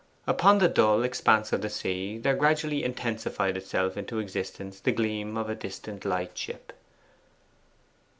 Upon the dull expanse of sea there gradually intensified itself into existence the gleam of a distant light ship.